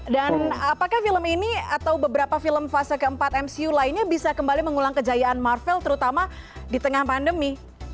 dan apakah film ini atau beberapa film fase keempat mcu lainnya bisa kembali mengulang kejayaan marvel terutama di tengah pandemi